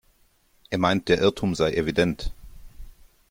Er meint, der Irrtum sei evident.